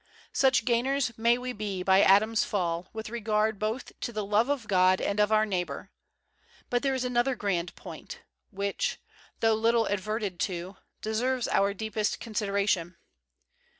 Such gainers may we be by Adam's fall, with regard both to the love of God and of our neigh bor. But there is another grand point, which, tho little adverted to, deserves our deepest con sideration.